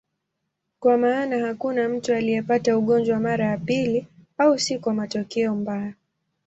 Kwa maana hakuna mtu aliyepata ugonjwa mara ya pili, au si kwa matokeo mbaya.